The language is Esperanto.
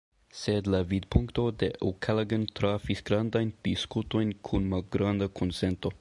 Sed la vidpunkto de O’Callaghan trafis grandajn diskutojn kun malgranda konsento.